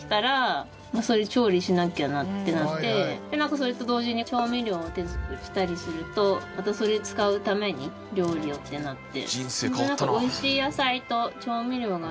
それと同時に調味料を手作りしたりするとまたそれを使うために料理をってなって。